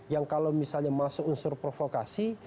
yang kalau misalnya masuk unsur provokasi